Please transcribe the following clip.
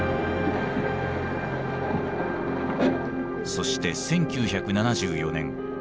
そして１９７４年。